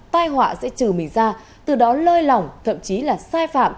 tai họa sẽ trừ mình ra từ đó lơi lỏng thậm chí là sai phạm